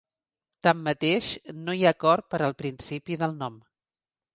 Tanmateix, no hi ha acord per al principi del nom.